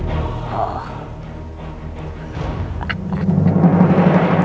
kalau this apanya